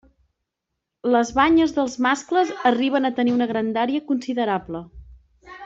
Les banyes dels mascles arriben a tenir una grandària considerable.